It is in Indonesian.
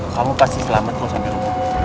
kalau pasti selamat kalau sambil ngumpul